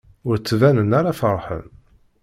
Ur ttbanen ara feṛḥen.